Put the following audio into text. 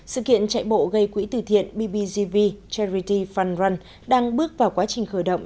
sự kiện chạy bộ gây quỹ từ thiện bbgv charity fund run đang bước vào quá trình khởi động